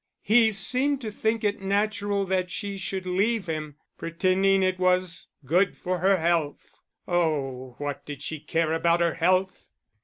He seemed to think it natural that she should leave him, pretending it was good for her health. Oh, what did she care about her health!